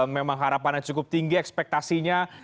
memang harapannya cukup tinggi ekspektasinya